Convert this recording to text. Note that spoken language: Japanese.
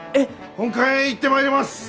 本館へ行ってまいります！